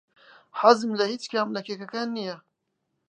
حەزم لە هیچ کام لە کێکەکان نییە.